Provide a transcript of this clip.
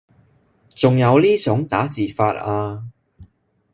仲有呢種打字法啊